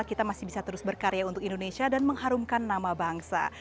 kita masih bisa terus berkarya untuk indonesia dan mengharumkan nama bangsa